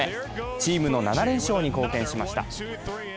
チームの７連勝に貢献しました。